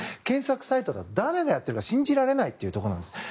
検索サイトは誰がやってるか信じられないというところなんです。